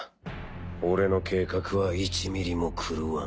俺の計画は１ミリも狂わん。